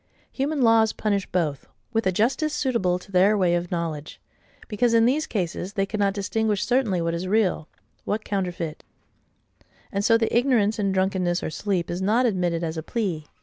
Human laws punish both, with a justice suitable to THEIR way of knowledge;—because, in these cases, they cannot distinguish certainly what is real, what counterfeit: and so the ignorance in drunkenness or sleep is not admitted as a plea.